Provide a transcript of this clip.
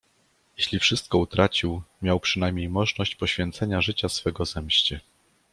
"Jeśli wszystko utracił, miał przynajmniej możność poświecenia życia swego zemście."